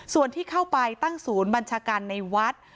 ส่วนที่เข้าไปตั้งศูนย์บัญชาการในวัด